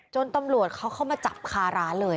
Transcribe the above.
ตำรวจเขาเข้ามาจับคาร้านเลย